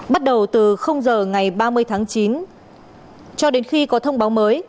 bắt đầu từ giờ ngày ba mươi tháng chín cho đến khi có thông báo mới